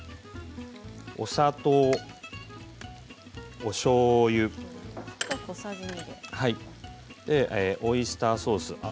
お砂糖、おしょうゆオイスターソース。